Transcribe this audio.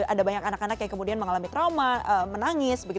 ada banyak anak anak yang kemudian mengalami trauma menangis